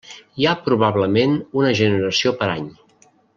Hi ha probablement una generació per any.